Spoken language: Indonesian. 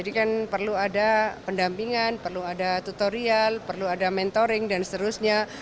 dan perlu ada pendampingan perlu ada tutorial perlu ada mentoring dan seterusnya